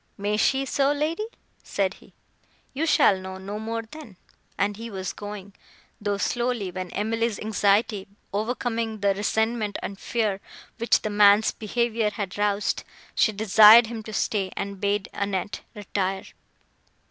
"May she so, lady?" said he. "You shall know no more, then;" and he was going, though slowly, when Emily's anxiety, overcoming the resentment and fear, which the man's behaviour had roused, she desired him to stay, and bade Annette retire.